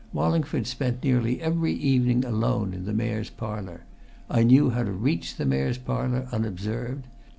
Wallingford spent nearly every evening alone in the Mayor's Parlour I knew how to reach the Mayor's Parlour unobserved.